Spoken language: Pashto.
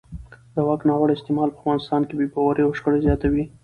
د واک ناوړه استعمال په افغانستان کې بې باورۍ او شخړې زیاتوي